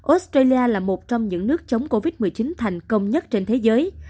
australia là một trong những nước chống covid một mươi chín thành công nhất trên thế giới